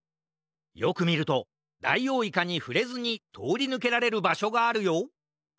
よくみるとダイオウイカにふれずにとおりぬけられるばしょがあるよ！